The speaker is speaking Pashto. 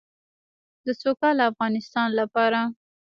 د سوکاله افغانستان لپاره.